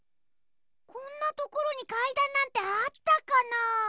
こんなところにかいだんなんてあったかな。